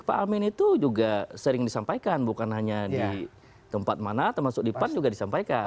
pak amin itu juga sering disampaikan bukan hanya di tempat mana termasuk di pan juga disampaikan